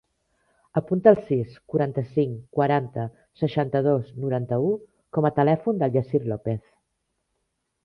Apunta el sis, quaranta-cinc, quaranta, seixanta-dos, noranta-u com a telèfon del Yassir Lopez.